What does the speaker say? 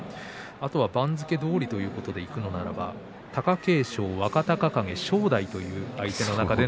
あとは番付どおりといういうことでいくのならば貴景勝、若隆景、正代という対戦相手です。